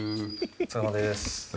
お疲れさまです。